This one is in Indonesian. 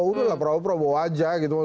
udah lah prabowo prabowo aja gitu